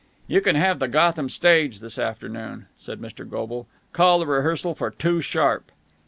"You can have the Gotham stage this afternoon," said Mr. Goble. "Call the rehearsal for two sharp."